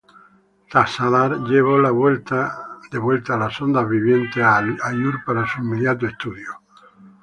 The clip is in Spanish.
Tassadar llevó de vuelta las sondas vivientes a Aiur para su inmediato estudio.